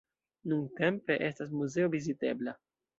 Nuntempe estas muzeo vizitebla.